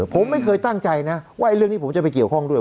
ผมไม่เคยตั้งใจนะว่าเรื่องนี้ผมจะไปเกี่ยวข้องด้วย